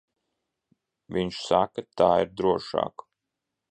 Viņš saka, tā ir drošāk.